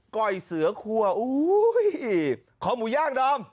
ก้อยเสือครัวของหมูย่างดอม